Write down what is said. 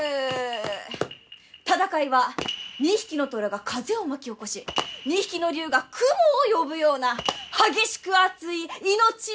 戦いは２匹の虎が風を巻き起こし２匹の竜が雲を呼ぶような激しく熱い命のやり取り！